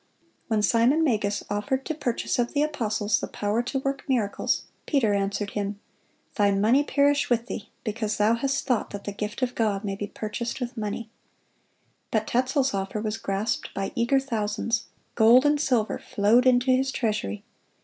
(172) When Simon Magus offered to purchase of the apostles the power to work miracles, Peter answered him, "Thy money perish with thee, because thou hast thought that the gift of God may be purchased with money."(173) But Tetzel's offer was grasped by eager thousands. Gold and silver flowed into his treasury.